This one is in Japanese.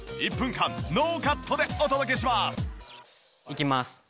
１分間ノーカットでお届けします！